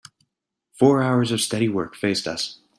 Four hours of steady work faced us.